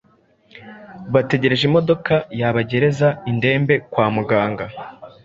bategereje imodoka yabagereza indembe kwa muganga